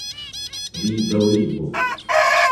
vi daŭrigu!